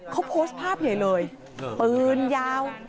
เขาโพสต์ภาพใหญ่เลยปืนยาว